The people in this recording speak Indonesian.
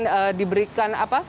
akan diberikan apa